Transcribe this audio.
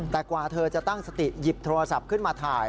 แต่กว่าเธอจะตั้งสติหยิบโทรศัพท์ขึ้นมาถ่าย